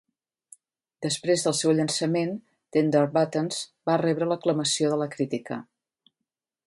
Després del seu llançament, 'Tender Buttons' va rebre l'aclamació de la crítica.